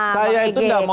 saya itu tidak mau